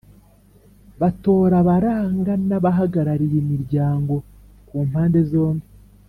batora abaranga n’abahagarariye imiryango ku mpande zombi